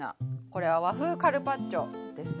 これは和風カルパッチョです。